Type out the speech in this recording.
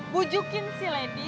bujukin si lady